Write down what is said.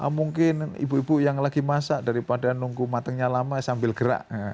mungkin ibu ibu yang lagi masak daripada nunggu matangnya lama sambil gerak